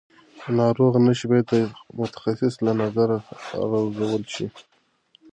د ناروغ نښې باید د متخصص له نظره ارزول شي.